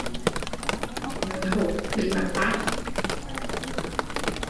Nói hỗn bị bạt tai